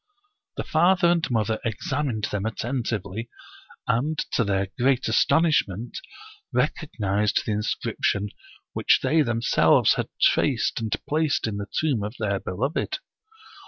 The father and mother examined them attentively, and, to their great astonishment, recognized the' inscription which they themselves had traced and placed in the tomb of their beloved.